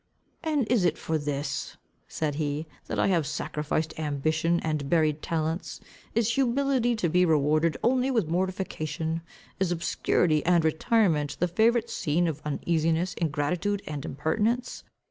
"And is it for this," said he, "that I have sacrificed ambition, and buried talents? Is humility to be rewarded only with mortification? Is obscurity and retirement the favourite scene of uneasiness, ingratitude, and impertinence?